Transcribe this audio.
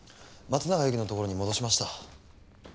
松永由岐のところに戻しました。